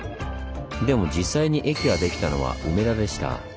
でも実際に駅ができたのは梅田でした。